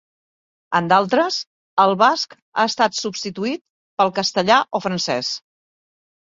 En d'altres, el basc ha estat substituït pel castellà o francès.